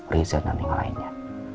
riza dan yang lainnya